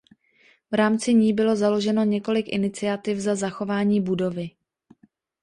V rámci ní bylo založeno několik iniciativ za zachování budovy.